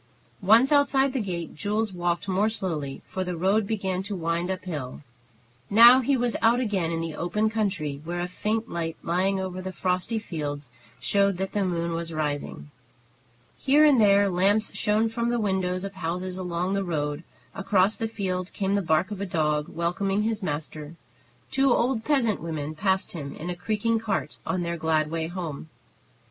Once outside the gate, Jules walked more slowly, for the road began to wind up hill. Now he was out again in the open country, where a faint light lying over the frosty fields showed that the moon was rising. Here and there lamps shone from the windows of houses along the road; across the field came the bark of a dog, welcoming his master; two old peasant women passed him in a creaking cart on their glad way home.